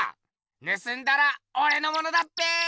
ぬすんだらおれのものだっぺ。